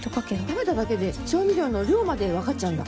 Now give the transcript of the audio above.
食べただけで調味料の量まで分かっちゃうんだ？